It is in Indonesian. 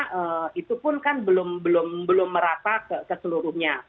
karena itu pun kan belum merata keseluruhnya